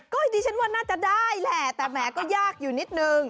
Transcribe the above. ก็ดิฉันว่าน่าจะได้แหละแต่แหมก็ยากอยู่นิดนึง